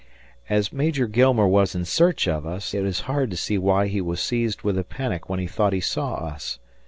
As Major Gilmer was in search of us, it is hard to see why he was seized with a panic when he thought he saw us.